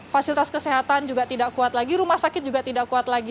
fasilitas kesehatan juga tidak kuat lagi rumah sakit juga tidak kuat lagi